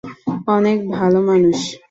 অনেক ভালো মানুষ।